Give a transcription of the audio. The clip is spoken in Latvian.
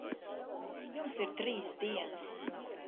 Jums ir trīs dienas.